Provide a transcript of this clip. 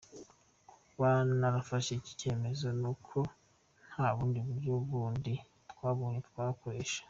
"Kuba narafashe iki cyemezo, nuko nta bundi buryo bundi twabonye twakoresha.